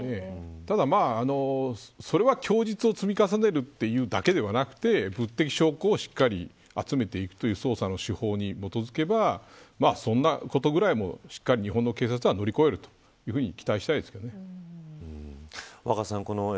ただ、それは供述を積み重ねるというだけではなくて物的証拠をしっかり集めていくという捜査の手法に基づけばそんなことぐらい、しっかり日本の警察は乗り越えるというふうに期待したいですけどね。